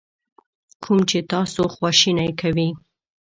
کوم چې تاسو خواشینی کوي.